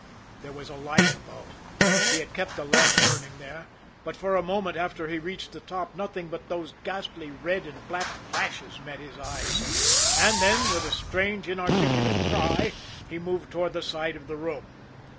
There was a light above he had kept a lamp burning there but for a moment after he reached the top nothing but those ghastly red and black flashes met his eyes and then, with a strange, inarticulate cry, he moved toward the side of the room.